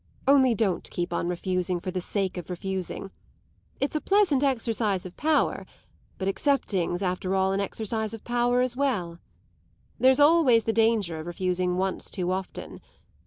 Only don't keep on refusing for the sake of refusing. It's a pleasant exercise of power; but accepting's after all an exercise of power as well. There's always the danger of refusing once too often.